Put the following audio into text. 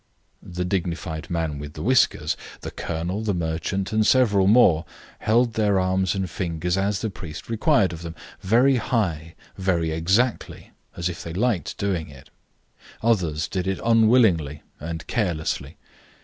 '" The dignified man with the whiskers, the colonel, the merchant, and several more held their arms and fingers as the priest required of them, very high, very exactly, as if they liked doing it; others did it unwillingly and carelessly.